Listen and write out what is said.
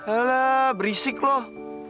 alah berisik loh